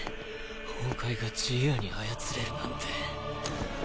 崩壊が自由に操れるなんて。